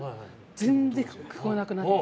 全然聞こえなくなって。